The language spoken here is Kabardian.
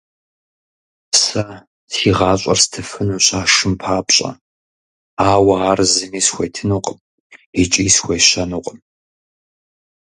Сэ си гъащӀэр стыфынущ а шым папщӀэ, ауэ ар зыми схуетынукъым икӀи схуещэнукъым.